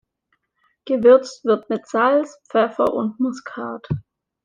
Gewürzt wird mit Salz, Pfeffer und Muskat.